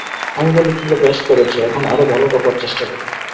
আমি বলি, তোমরা বেশ করেছ, এখন আরও ভাল করবার চেষ্টা কর।